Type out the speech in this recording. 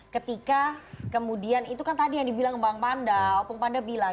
ketika kemudian itu kan tadi yang dibilang bang pandal bung pandal bilang